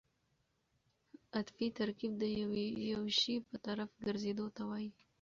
عطفي ترکیب د یو شي په طرف ګرځېدو ته وایي.